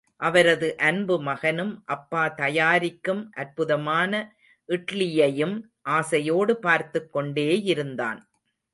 அவரது அன்பு மகனும் அப்பா தயாரிக்கும் அற்புதமான இட்லியையும், ஆசையோடு பார்த்துக் கொண்டேயிருந்தான்.